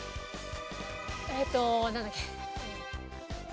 えっとなんだっけ？